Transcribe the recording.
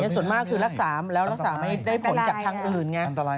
ส่วนมากคือรักษาแล้วรักษาไม่ได้ผลจากทางอื่นไง